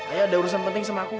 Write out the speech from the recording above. aya ada urusan penting sama aku kok